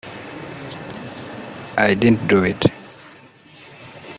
I didn't do it.